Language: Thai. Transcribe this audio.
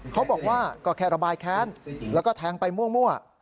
เขาบอกว่าก็แค่ระบายแค้นแล้วก็แทงไปมั่ว